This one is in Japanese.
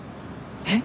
えっ？